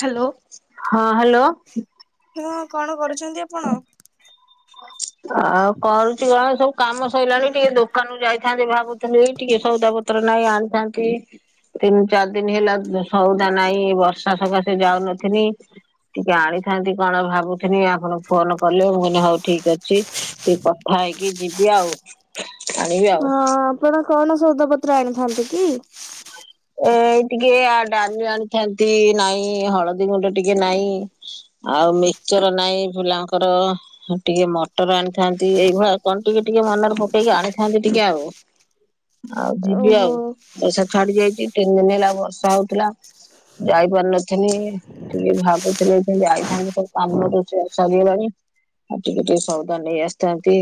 Hello. ହଁ hello. ହୁଁ କଣ କରୁ ଛନ୍ତି ଆପଣ? ଆଉ କରୁଛି କଣ? ସବୁ କାମ ସରିଲାଣି ଟିକେ ଦୋକାନକୁ ଯାଇଥାନ୍ତି ଭାବୁ କାନ ଯାଇ ଟିକେ ସଉଦା ପତ୍ର ନାଇଁ ଆଣିଥାନ୍ତି। ତିନି ଚାରି ଦିନ ହେଲା ସଉଦା ନାଇ। ବର୍ଷ ର୍ଷା ସକାଶେ ଯାଉନଥଥିନି। ଟିକେ ଆଣିଥାନ୍ତି କଣ ଭାବୁିଥିନି ଆପଣ ଫୋନ କଲେ ମୁଁ କହିଲି ହଉ ଠିକ ଅଛି ଟିକେ କଥା ହେଇକି ଯିବି ଆଉ। ଆଣିବି ଆଉ। ହଁ ଆପଣ କଣ ସଉଦାପତ୍ର ଆଣିଥାନ୍ତି କି? ଏ ଟିକେ ଡାଲି ଆଣିଥାନ୍ତି ନାଇ‌ ହଳଦୀ ଗୁଣ୍ଡ ଟିକେ ନାଇ। ଆଉ ମିକ୍ଚର ନାଇଁ ପିଲାଙ୍କର। ହଉ ଟିକେ ମଟର ଆଣିଥାନ୍ତି। ଏଇଭଳିଆ କଣ ଟିକେ ଟିକେ ମନରେ ଫକେଇକି ଆଣିଥାନ୍ତି ଟିକେ ଆଉ? ଆଉ ଯିବି ଓହୋ ଆଉ। ବର୍ଷା ଛାଡି ଯାଇଛି ତିନି ଦିନ ହେଲା ବର୍ଷା ହଉଥିଲା। ଯାଇ ପାରିନ ନଥିଲି। ଟିକେ ଭାବୁଥିଲି ଏବେ ଯାଇଥାନ୍ତି ସବୁ କାମ ସରିଗଲାଣି। ଆଜିକୁ ଟିକେ ସଉଦା ନେଇ ଆସିଥାନ୍ତି।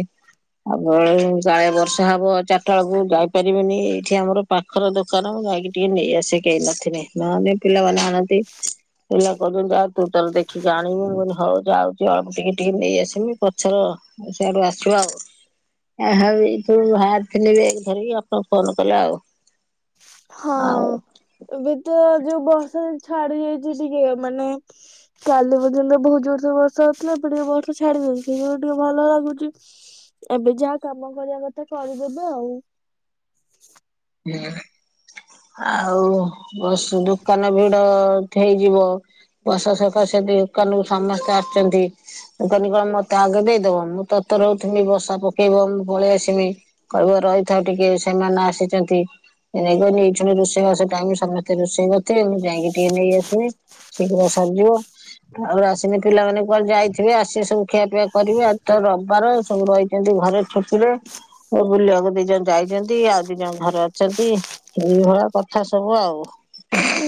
[unintelligible] ପ୍ରାୟ ବର୍ଷା ହବ ଚାରିଟା ବେଳକୁ ଯାଇପାରିବେନି। ଏଇଠି ଆମର ପାଖର ଦୋକାନ ଯାଇକି ଟିକେ ନେଇ ଆସେ କେହି ନଥଲେ। ନହେଲେ ପିଲାମାନେ ଆଣନ୍ତି। ହେୟା କଉଛନ୍ତି ଆଉ ତୁ ତୋର ଦେଖିକି ଆଣିବୁ ମୁଁ କହିନି ହଉ ଯାଉଚ ଅଳ୍ପ ଟିକେ ଟିକେ ନେଇ ଆସିମି ପଛର ହେଇ ସେଆଡୁ ଆସୁ ଆଉ? ଆ ହଉ ଏଇ ସବୁ ବାହାରିଥିନି ବେଗ ଧରିକି ଆପଣ ଫୋନ କଲେ ଆଉ। ଆଉ ହଁ ଏବେ ତ ଯୋଉ ବର୍ଷା ଛାଡି ଯାଇଛି ଟିକେ ମାନେ କାଲି ପର୍ ଦିନ ବହୁତ ଜୋରୋ ବର୍ଷା ହେଉଥିଲା ଏବେ ଟିକେ ବର୍ଷ ଛାଡିଦାଉଛି ଟିକେ ଭଲ ଲାଗୁଛି। ଏବେ ଯାହା କାମ କରିବା କଥା କରିଦେବେ ଆଉ। ହୁଁ ଆଉ ବସୁ ଦୋକାନ ଭିଡ ହେଇ ଯିବ ବର୍ଷା ସକାସେ ଦୋକାନକୁ ସମସ୍ତେ ଆସୁଛନ୍ତି। ଦୋକାନୀ କଣ ମତେ ଆଗେ ଦେଇଦବ? ମୁଁ ତରତର ହଉଥମି ବର୍ଷା ପକେଇବ ମୁଁ ପଳେଇ ଆସିମି। କହିବ ରହିଥାଉ ଟିକେ ସେମାନେ ଆସିଛନ୍ତି। [unintelligible] ରୋଷେଇବାସ ଟାଇମ ସବୁ ସେ ରୋଷେଇ କରଥିବେ ମୁଁ ଯାଇକି ଟିକେ ନେଇଆସିମି ଶୀଘ୍ର ସରଯିବ। ଆଉ ଆସନି। ପିଲାମାନେ କୁଆଡ଼େ ଯାଇଥିବେ ଆସିକି ସବୁ ଖିଆପିଆ କରିବେ। ଆଜ୍ ତ ରବବାର ସବୁ ରଇ ଏ ଯୋଉ ଘରେ ଛୁଟିରେ ବୁଲିବାକୁ ଦି ଜଣ ଯାଇଛନ୍ତି ଆଉ। ଦିଜଣ ଘରେ ଅଛନ୍ତି। ଏଇଭଳିଆ କଥା ସବୁ ଆଉ।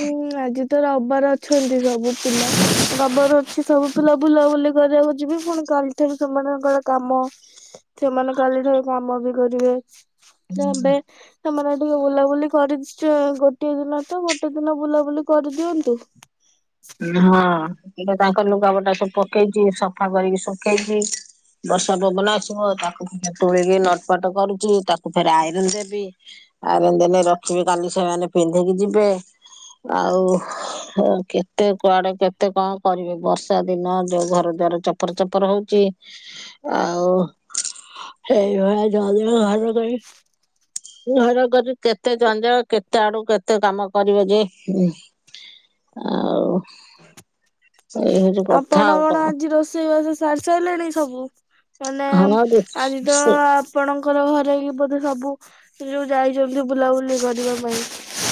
ହୁଁ ଆଜି ତ ରବବାର ଅଛନ୍ତି ସବୁ ପିଲା। ରବବାର ଅଛି ସବୁ ପିଲା ବୁଲାବୁଲି କରିବାକୁ ଯିବି ପୁଣି କାଲିଠାରୁ ସେମାନଙ୍କର କାମ ସେମାନେ କାଲିଠାରୁ କାମ ବି କରିବେ? ତ ଏବେ ସେମାନେ ଟିକେ ବୁଲାବୁଲି କରିଛ ଗୋଟଏ ଦିନ ତ ଗୋଟେ ଦିନ ବୁଲାବୁଲି ବୁଲି କରିଦିଅନ୍ତୁ। ହଁ ଏଇନା ତାଙ୍କ ଲୁଗା ପଟା ସବୁ ପକେଇଛି ସଫା କରିକି ଶୁଖେଇଛି। ବର୍ଷା ପବନ ଆସିବ ତାକୁ ପୁଣି ତୋଳିକି ନଟପଟ କରୁଛି ତାକୁ ଫେରେ ଆଇରନ ଦେବି। ଆଇରନ ଦେଲେ ରଖିବି କାଲି ସେମାନେ ପିନ୍ଧିକି ଯିବେ। ଆଉ ଓକେ। କେତେ କୁଆଡେ କେତେ କଣ କରିବେ ବର୍ଷା ଦିନ ଯୋଉ ଘର ଦ୍ଵାର ଚପର ଚପର ହଉଛି। -ଆଉ ସେଇଭଳିଆ ଜଦି ଘର କରି- -ଘର କରି କେତେ ଜଞ୍ଜାଳ କେତେ ଆଡୁ କେତେ କାମ କରିବେ ଯେ- -ଆଉ- ଏଇ ହଉଛି କଥା ଆପଣ ଆଉ କଣ ଆଜି ରୋଷେଇବାସ ସାରି ସାରିଲେଣି ସବୁ? -ମାନେ ହଁ ରେ, ଆଜି ତ- ସେ ଆପଣଙ୍କର ଘରେ ବି ବୋଧେ ସବୁ ସେ ଯୋଉ ଯାଇଛନ୍ତି ବୁଲାବୁଲି କରିବା ପାଇଁ।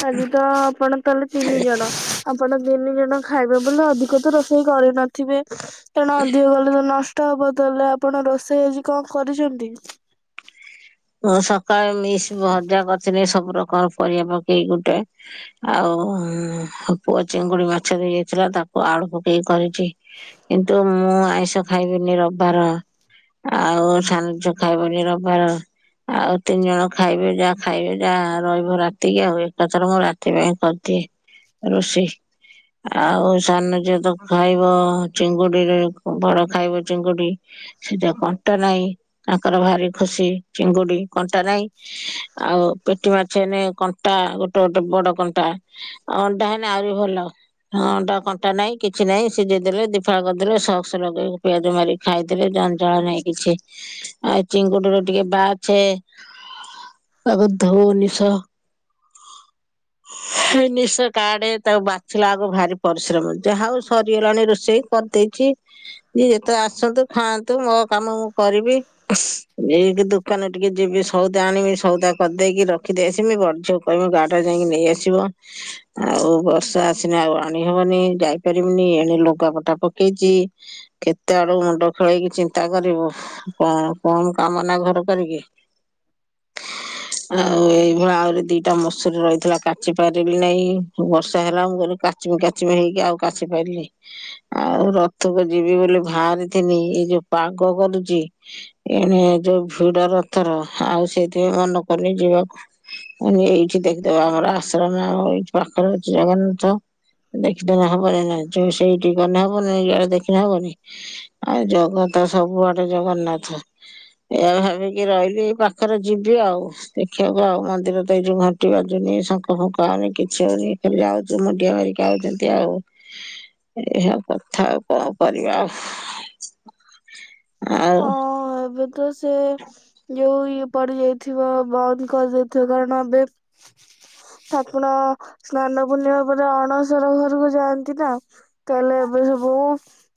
-ଆଜି ତ ଆପଣ ତାହେଲେ ତିନି ଜଣ ଆପଣ ତିନି ଜଣ ଖାଇବେ ବଲେ ଅଧିକ ତ ରୋଷେଇ- -ହିଁ କରିନଥିବେ ତେଣୁ ଅଧିକ କଲେ ତ ନଷ୍ଟ- ତା ବଦଳରେ ଆପଣ ରୋଷେଇ ଆଜି କଣ କରିଛନ୍ତି? ହଁ ସକାଳେ ମିସ୍ ଭଜା କରିଥିଲି ସବୁ ପ୍ରକାର ପରିବା ପକେଇକି ଗୋଟେ। ଆଉ ପୁଅ ଚିଙ୍ଗୁଡି ମାଛ ଦେଇ ଯାଇଥିଲା ତାକୁ ଆଳୁ ପକେଇ କରିଛି। କିନ୍ତୁ ମୁଁ ଆଇଁଷ ଖାଇବିନି ରବିବାର। ଆଉ ସାନଝିଅ ଖାଇବନି ରବିବାର। ଆଉ ତିନି ଜଣ ଖାଇବେ ଯାହା ଖାଇବେ ଯାହା ରହିବ ରାତିକି ଆଉ ଏକାଥରେ ମୁଁ ରାତି ପାଇଁ କରିଦିଏ। ରୋଷେଇ। ଆଉ ସାନ ଝିଅ ତ ଖାଇବ ଚିଙ୍ଗୁଡିରେ ବଡ଼ ଖାଇବ ଚିଙ୍ଗୁଡି। ସେ ଯେ କଣ୍ଟା ନାହିଁ ତାଙ୍କର ଭାରି ଖୁସି ଚିଙ୍ଗୁଡି କଣ୍ଟା ନାଇଁ। ଆଉ ପେଟି ମାଛେନେ କଣ୍ଟା ଗୋଟେ ଗୋଟେ ବଡ କଣ୍ଟା। ଆଉ ଅଣ୍ଡା ହେନେ ଆହୁରି ଭଲ। -ହଁଅ ଅଣ୍ଡା କଣ୍ଟା ନାଇଁ କିଛି ନାହିଁ ସିଝେଇ ଦେଲେ ଦିଫାଳ କରିଦେଲେ ସକ୍ସ ଲଗେଇ ପିଆଜ ମାରିକି- -ଖାଇଦବେ ଜଞ୍ଚାଳ ନାଇଁ କିଛି। ଆଉ ଏଇ ଚିଙ୍ଗୁଡିରେ- -ଟିକେ ବାଛେ ତାକୁ ଧୋ ନିଶ- -ସେ ନିଶ କାଡେ ତାକୁ ବାଛିିଲା ଅଳକୁ ଭାରି ପରିଶ୍ରମ। ଯାହା ହଉ- -ସରିଗଲାଣି ରୋଷେଇ କରିଦେଇଚି- -ଯିଏ ଯେତେବେଳେ ଆସନ୍ତୁ ଖାଆନ୍ତୁ ମୋ କାମ ମୁଁ କରିବି ଏ- ଇଏ ଦୋକାନ ଟିକେ ଯିବି ସଉଦା ଆଣିବି ସଉଦା କରିଦେଇକି ରଖିଦେଇ ଆସିବି। ବଡଝିଅକୁ କହିବି ଗାଡିରେ ଯାଇ ନେଇ ଆସିବ। ଆସିବ। ଆଉ ବର୍ଷା ଆସିନେ ଆଉ ଆଣିହବନି ଯାଇପାରିବିନି ଏଣେ ଲୁଗାପଟା ପକେଇଛି। -କେତେ ଆଡକୁ ମୁଣ୍ଡ ଖେଳେଇକି ଚିନ୍ତା କରିବୁ। କଣ କଣ କାମ ନା ଘ- ଘର କରିକି। -ଆଉ ଏଇଭଳିଆ ଆହୁରି ଦିଟା ମସୁର ରହିଥିଲା କାଚି ପାରିଲି ନାହିଁ ବର୍ଷା ହେଲା ମୁଁ କହିଲି କାଚି- -କାଚିବି କାଚବି ହେଇକି ଆଉ କାଚି ପାରିଲି- -ଆଉ ରଥକୁ ଯିବି ବୋଲି ବାହାରିଥିନି ଏଇ ଯୋଉ ପାଗ କରୁଛି- ଏଣେ ଯୋଉ ଭିଡ ରଥର ଆଉ ସେଇଥିପାଇଁ ମନକରୁନି ଯିବାକୁ। -ମୁଁ କହିଲି ଏଇଠି ଦେଖିଦବା ଆମର ଆଶ୍ରମ ଆମ ଏଇଠି ପାଖରେ ଅଛି ଜଗନ୍ନାଥ- ଦେଖିଦେବା ହବନି ନା ଯୋଉ ସେଇଠି ଗଲେ ହବ ନହେଲେ ଇଆଡେ ଦେଖିନେ ହବନି। ଆଉ ଜଗତ ସବୁଆଡେ ଜଗନ୍ନାଥ। ଏହା ଭାବିକି ରହିଲି ଏ ପାଖରେ ଯିବି ଆଉ। ଦେଖିବାକୁ ଆଉ ମନ୍ଦିର ତ ଏଇ ଯୋଉ ଘଣ୍ଟି ବାଜୁନି, ଶଙ୍ଖ ଫୁଙ୍କାହଉନି, କିଛି ହଉନି। ଖାଲି ଯାଉ ମୁଣ୍ଡିଆ ମାରିକି ଆଉଚନ୍ତି ଆଉ। ଏହିସବୁ କଥା ଆଉ କଣ କରିବା ଆଉ। ଆଉ ହଁ ଏବେ ତ ସେ ଯୋଉ ଇଏ ପଡିଯାଇଥିବ, ବନ୍ଦ କରିଦେଇଥିବ, କାରଣ ଏବେ ସାପୁନ ସ୍ନାନ ପୂର୍ଣ୍ଣିମା ପରେ ଅଣସର ଘରକୁ ଯାଆନ୍ତି ତ। ତାହେଲେ ଏବେ ସବୁ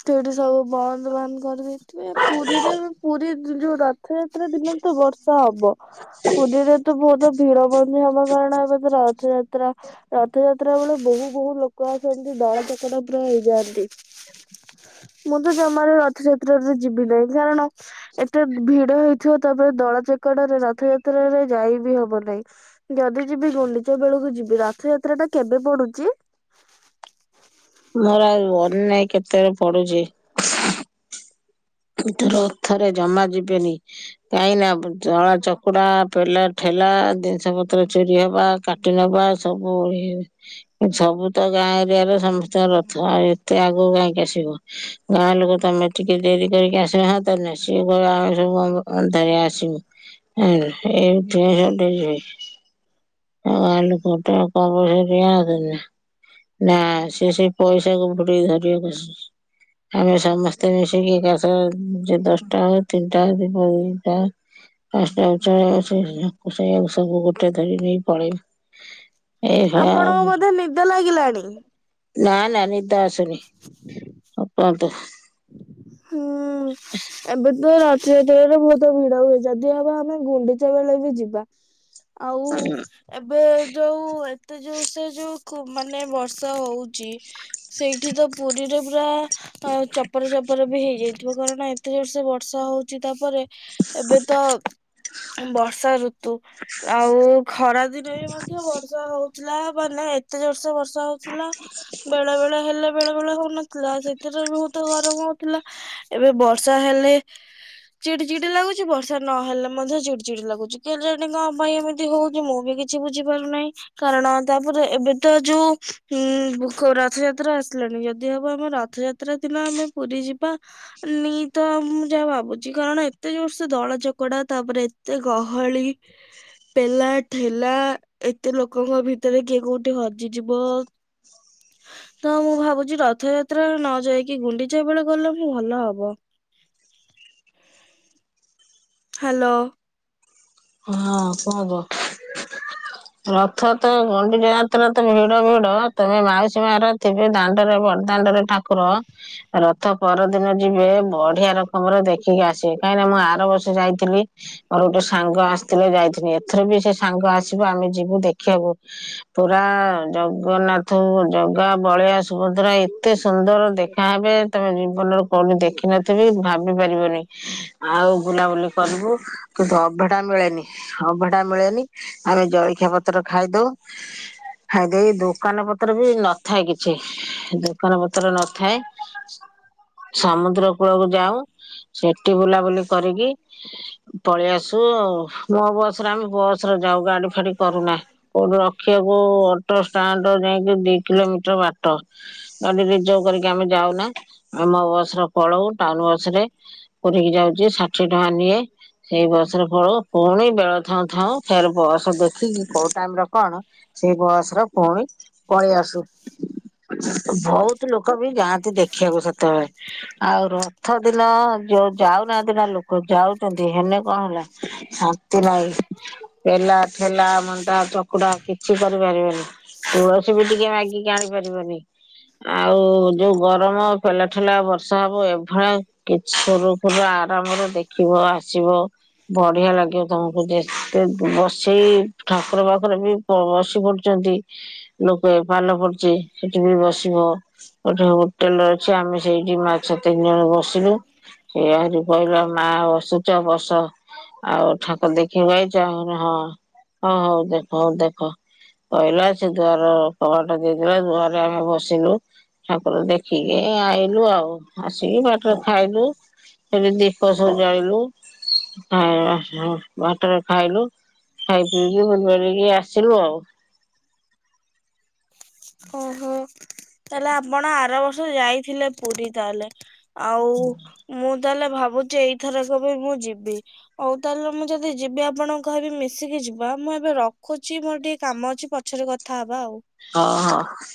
ସେଠି ସବୁ ବନ୍ଦ ବାନ୍ଦ କରିଦେଇଥିବେ। ପୁରୀରେ ପୁରୀ ଯୋଉ ରଥଯାତ୍ରା ଦିନ ତ ବର୍ଷା ହବ। ପୁରୀରେ ତ ବହୁତ ଭିଡ ବନ୍ଦି ହବ କାରଣ ଏବେ ତ ରଥ ଯା ତ୍ରା, ରଥଯାତ୍ରା ବେଳେ ବହୁ ବହୁ ଲୋକ ଆସନ୍ତି ଦଳଚକଟା ପୁରା ହେଇଯାଆନ୍ତି। [inaudible] ମୁଁ ତ ଜମାରୁ ରଥଯାତ୍ରାରେ ଯିବି ନାହିଁ କାରଣ ଏତେ ଭିଡ ହେଇଥିବ ତାପରେ ଦଳା ଚକଟାରେ ରଥଯାତ୍ରାରେ ଯାଇ ବିି ହବ ନାହିଁ। ଯଦି ଯିବି ଗଣ୍ଡିଚା ବେଳକୁ ଯିବି, ରଥଯାତ୍ରା ଟା କେବେ ପଡୁଚି? ମୋର ଆଉ ମନେ ନାଇ କେତେ ରେ ପଡୁଚି। ଏ ଥର ରଥରେ ଜମା ଯିବେନି। କାହିଁ ନା ଦଳା ଚକୁଡା, ପେଲା ଠେଲା, ଜିନିଷ ପତ୍ର ଚୋରି ହବା କାଟି ନବା ସବୁ ଇଏ ହଉଛି। ସବୁ ତ ଗାଁ ଏରିଆରେ ସମସ୍ତଙ୍କ ରଥ, ଆଉ ଏତେ ଆଗକୁ କାହିଁକି ଆସିବ। ଗାଁ ଲୋକ ତ ତମେ ଟିକେ ଡେରି କେହି ଆସି ନାହାନ୍ତି ତ ସିଏ କହିବେ ଆମେ ସବୁ ଅନ୍ଧାରିଆ ଆସିବୁ। ଏମିତିଆ ସବୁ ଡେରି ହୁଏ। ଆଉ ଗାଁ ଲୋକ ତ କମ ପଇସା ରେ ନିଆଁ ହଉଛନ୍ତି ନା। ନା ସେ ସେଇ ପଇସା କୁ ବୁଡ଼େଇ ଧରିବାକୁ ଆସିଚନ୍ତି। ଆମେ ସମସ୍ତେ ମିଶିକି ଯେ ଦଶଟା ହଉ ତିନିଟା ହଉ ଯିବ ଅଇଁଛା। [unintelligible] ସେ ସବୁ ଗୋଟେ ଧରି ନେଇ ପଳେଇବେ। ଏଇଭଳିଆ ଆଉ ଆପଣଙ୍କୁ କଣ। ବୋଧେ ନିଦ ଲାଗିଲାଣି? ନା ନା ନିଦ ଆସୁନି ଆଉ କୁହନ୍ତୁ। ହୁଁ। ଏବେ ତ ରଥଯାତ୍ରା ରେ ବହୁତ ଭିଡ ହୁଏ, ଯଦି ହବ ଆମେ ଗୁଣ୍ଡିଚା ବେଳେ ବି ଯିବା। [unintelligible] ଆଉ ଏବେ ଯୋଉ ଏତେ ଯୋଉ ସେ ଯୋଉ ଖୁ ମାନେ ବର୍ଷା ହଉଛି। ସେଇଠି ତ ପୁରୀରେ ପୁରା ଚପର ଚପ ବି ହେଇଯାଇଥିବ, କାରଣ ଏତେ ଜୋର ସେ ବର୍ଷା ହଉଛି, ତାପରେ ଏବେ ତ ବର୍ଷା ଋତୁ। ଆଉ ଖରା ଦିନେ ବି ମଧ୍ୟ ବର୍ଷା ହଉଥିଲା ମାନେ ଏତେ ଜୋର ସେ ବର୍ଷା ହଉଥିଲା, ବେଳେ ବେଳେ ହେଲେ ବେଳେ ବେଳେ ହଉନ ଥିଲା ସେଥିରେ ବହୁତ ଗରମ ହଉଥିଲା। ଏବେ ବର୍ଷା ହେଲେ ଚିଡି ଚିଡି ଲାଗୁଛି, ବର୍ଷା ନହେଲେ ମଧ୍ୟ ଚିଡି ଚିଡି ଲାଗୁଛି। କେଜାଣି କଣ ପାଇଁ ଏମିତି ହଉଛି ମୁଁ ବି କିଛି କିଛି ବୁଝି ପାରୁନାହିଁ। କାରଣ ତାପରେ ଏବେ ତ ଯୋଉ ଉଁ ରଥଯାତ୍ରା ଆସିଲାଣି। ଯଦି ହବ ଆମେ ରଥଯାତ୍ରା ରଥଯାତ୍ରା ଦିନ ଆମେ ପୁରୀ ଯିବା। ନେଇ ତ ମୁଁ ଯାହା ଭାବୁଛି କାରଣ ଏତେ ଜୋର ସେ ଦଳ ଚକଡା ତାପରେ ଏତେ ଗହଳି ପେଲା ଠେଲା। ଏତେ ଲୋକଙ୍କ ଭିତରେ କିଏ କୋଉଠି ହଜିଯିବ। ତ ମୁଁ ଭାବୁଛି ରଥଯାତ୍ରା ନ ଯାଇକି ଗୁଣ୍ଡିଚା ବେଳେ ଗଲେ ମୁଁ ଭଲ ହବ। ହ୍ୟାଲୋ। ହଁ [unintelligible] ରଥ ତ ଗଣ୍ଡି ଯାତ୍ରା ତ ଭିଡ ଭିଡ ତମେ ମାଉସୀ ମାର ଥିବେ ଦାଣ୍ଡରେ ବଡ ଦାଣ୍ଡରେ ଠାକୁ କ୍ର ରଥ ପରଦିନ ଯିବେ ବଢିଆ ରକମର ଦେଖିକି ଆସିବେ କାହିଁକିନା ମୁଁ ଆର ବର୍ଷ ଯାଇଥିଲି। ମୋର ଗୋଟେ ସାଙ୍ଗ ଆସିଥିଲେ ଯାଇଥିଲି, ଏଥର ବି ସେ ସାଙ୍ଗ ଆସିବୁ ଆମେ ଯିବୁ ଦେଖିବାକୁ। ପୁରା ଜଗନ୍ନାଥ ଜଗା, ବଳିଆ, ସୁଭଦ୍ରା ଏତେ ସୁନ୍ଦର ଦେଖାହବେ ତମେ ଜୀବନରେ କଉଠି ଦେଖିନଥିବି, ଭାବି ପାରିବନି ଆଉ ବୁଲାବୁଲି କରିବୁ। କିନ୍ତୁ ଅଭଢା ମିଳେନି, ଅଭଢା ମିଳେନି ଆମେ ଜଳଖିଆ ପତ୍ର ଖାଇଦଉ। ଖାଇଦେଇ, ଦୋକାନ ପତ୍ର ବି ନଥାଏ କିଛି। ଦୋକାନ ପତ୍ର ନଥାଏ। ସମୁଦ୍ର କୂଳକୁ ଯାଉ, ସେଠି ବୁଲାବୁଲି କରିକି ପଳେଇ ଆସୁ। ଶୁ ଆଉ, ମୋ ବସରେ ଆମେ ବସ ରେ ଯାଉ ଗାଡି ଫାଡି କରୁନା, କୋଉଠି ର ରଖିବାକୁ, ଅଟୋଷ୍ଟାଣ୍ଡ ଯାଇକି ଦି କିଲୋମିଟର ବାଟ। ଗାଡି ରିଜର୍ଭ କରିକି ଆମେ ଯାଉନା, ଆମ ବସରେ ପଳଉ ଟାଉନ ବସ ରେ। ପୁରିକି ଯାଉଛି, ଷାଠିଏ ଟଙ୍କା ନିଏ ସେଇ ବସ୍ ରେ ପଳଉ। ପୁଣି ବେଳ ଥାଉ ଥାଉ ଫେର ବସ ଦେଖିକି କୋଉ ଟାଇମରେ କଣ ସେଇ ବସର ପୁଣି ପଳେଇ ଆସୁ, ବହୁତ ଲୋକ ବି ଯାଆନ୍ତି ଦେଖିବାକୁ ସେତେବେଳେ। ଆଉ ରଥ ଦିନ ଯୋଉ ଯାଉନାହାନ୍ତି ନା ଲୋକ ଯାଉଛନ୍ତି ହେନେ କଣ ହେଲା। ଶାନ୍ତି ନାହିଁ, ପେଲା ଠେଲା ମଣ୍ଡା ଚକୁଡା କିଛି କରିପାରିବେନି। ତୁଳସୀ ବି ଟିକେ ମାଗିକି ଆଣି ପାରିବନି। ଆଉ ଯୋଉ ଗରମ, ପେଲା ଠେଲା ବର୍ଷା ହବ ଏଭଳିଆ କିଛି ସରୁ ଫୁରୁ ଆରାମରେ ଦେଖିବ ଆସିବ ବଢିଆ ଲାଗ ତମକୁ ଯେତେ, ବସେଇ ଠାକୁର ପାଖରେ ବି ବସି ପଡୁଛନ୍ତି। ଲୋକେ ଭଲ ପଡୁଛି ସେଠି ବି ବସିବ। ଗୋଟେ ହୋଟେଲ ଅଛି ଆମେ ସେଇଠି ମା ସେ ତିନି ଜଣ ବସିଲୁ, ସେ ଆହୁରି କହିଲା ମା ବସୁଛ ବସ, ଆଉ ଠାକ ଦେଖି ଆଇଚ, ମୁଁ କହିଲି ହଁ, ହଁ ହଉ ଦେଖ ହଉ ଦେଖ। କହିଲା ସେ ଦୁଆର କବାଟ ଦେଇଦେଲା ଦୁଆରେ ଆମେ ବସିଲୁ। ଠାକୁର ଦେଖିକି ଆଇଲୁ ଆଉ, ଆସିକି ବାଟରେ ଖାଇଲୁ। ସେଠି ଦୀପ ସଜାଇଲୁ ଆ ହଁ ବାଟରେ ଖାଇଲୁ ଖାଇ ପିଇକି ବୁଲି ବାଲିକି ଆସିଲୁ ଆଉ। ଓହୋ ତାହଲେ ଆପଣ ଆର ବର୍ଷ ଯାଇଥିଲେ ପୁରୀ ତାହେଲେ। ଆଉ ମୁଁ ତାହେଲେ ଭାବୁଛି ଏଇଥରକ ବି ମୁଁ ଯିବି। ହଉ ତାହେଲେ ମୁଁ ଯଦି ଯିବି ଆପଣଙ୍କୁ କହିବି ମିଶିକି ଯିବା।, ମୁଁ ଏବେ ରଖୁଛି ମୋର ଟିକେ କାମ ଅଛି ପଛରେ କଥା ଥା ହବା ଆଉ। ହଁ ହଁ।